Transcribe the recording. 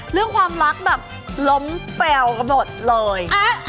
เรื่องความรักแบบล้มเปลวกันหมดเลย